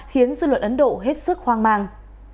khiến dư luận ấn độ hết sức hoang mang